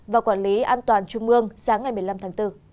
và quản lý an toàn trung ương sáng ngày một mươi năm tháng bốn